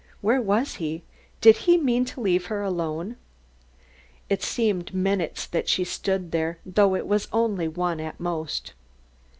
Where was he? Did he mean to leave her alone? It seemed minutes that she stood there, though it was only one at most.